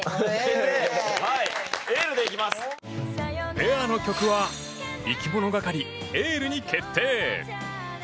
ペアの曲は、いきものがかり「ＹＥＬＬ」に決定。